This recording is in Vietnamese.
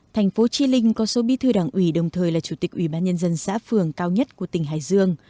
thành phố trí linh có số bí thư đảng ủy đồng thời là chủ tịch ủy ban nhân dân xã phường cao nhất của tỉnh hải dương